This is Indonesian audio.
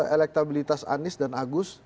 elektabilitas anies dan agus